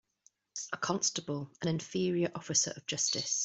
A constable an inferior officer of justice.